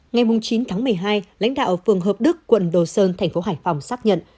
ngày chín tháng một mươi hai lãnh đạo phường hợp đức quận đồ sơn thành phố hải phòng xác nhận